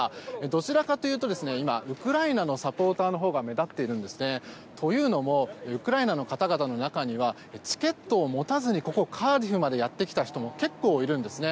どちらかというと今ウクライナのサポーターのほうが目立っているんですね。というのもウクライナの方々の中にはチケットを持たずにここカーディフまでやってきた人も結構、いるんですね。